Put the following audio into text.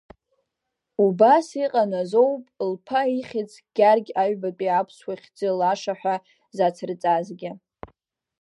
Убас иҟан азоуп лԥа ихьӡ Гьаргь Аҩбатәи аԥсуа хьӡы Лаша ҳәа зацырҵазгьы.